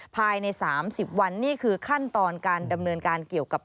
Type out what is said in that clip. ภายใน๓๐วันนี่คือขั้นตอนการดำเนินการเกี่ยวกับ